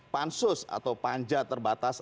pansus atau panja terbatas